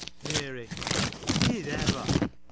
Mary. — Did ever !